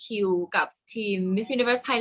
กากตัวทำอะไรบ้างอยู่ตรงนี้คนเดียว